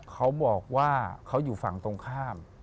เขาบอกว่าเขาอยู่ฝั่งตรงข้าม